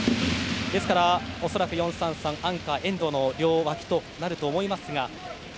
ですから４−３−３アンカー遠藤の両脇となると思いますが。